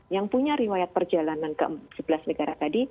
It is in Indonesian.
yang punya riwayat perjalanan ke sebelas negara tadi